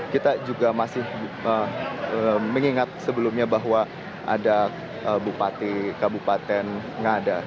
kita juga masih mengingat sebelumnya bahwa ada bupati kabupaten ngada